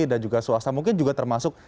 dan juga suasana mungkin juga termasuk